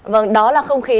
vâng đó là không khí